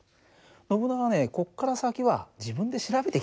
ノブナガねこっから先は自分で調べてきたら？